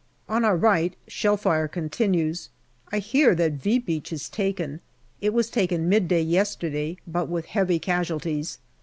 On our right, shell fire continues. I hear that " V " Beach is taken. It was taken midday yesterday, but with heavy casualties.